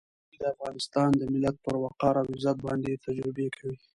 دوی د افغانستان د ملت پر وقار او عزت باندې تجربې کوي.